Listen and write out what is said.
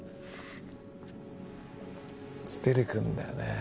出てくんだよね